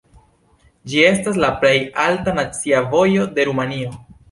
Ĝi estas la plej alta nacia vojo de Rumanio.